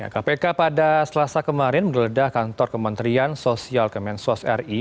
kpk pada selasa kemarin menggeledah kantor kementerian sosial kemensos ri